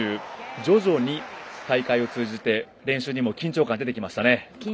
徐々に大会を通じて練習にも緊張感出てきましたね。